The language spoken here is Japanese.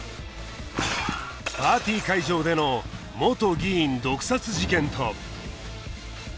パーティー会場での元議員毒殺事件と